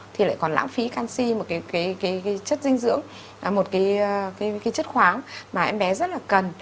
thì lại còn lãng phí canxi một cái chất dinh dưỡng một cái chất khoáng mà em bé rất là cần